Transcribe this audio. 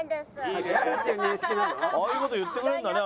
ああいう事言ってくれるんだね